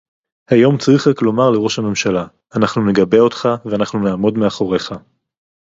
היום צריך רק לומר לראש הממשלה: אנחנו נגבה אותך ואנחנו נעמוד מאחוריך